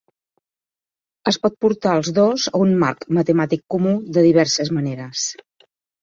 Es pot portar els dos a un marc matemàtic comú de diverses maneres.